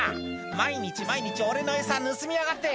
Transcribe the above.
「毎日毎日俺のエサ盗みやがって」